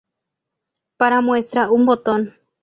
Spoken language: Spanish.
Para muestra, un botón